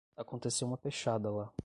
Aconteceu uma pechada lá